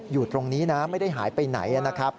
อยู่ตรงนี้ไม่ได้หายไปไหน